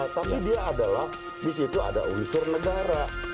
tapi dia adalah di situ ada unsur negara